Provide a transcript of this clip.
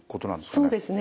そうですね。